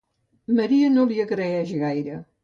Maria no li agraeix gaire.